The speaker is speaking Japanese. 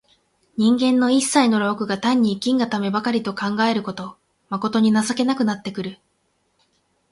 人間の一切の労苦が単に生きんがためばかりと考えると、まことに情けなくなってくる。